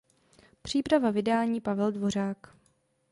Příprava vydání Pavel Dvořák.